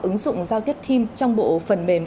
ứng dụng giao tiết thêm trong bộ phần mềm các công ty